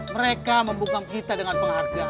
mereka membuka kita dengan penghargaan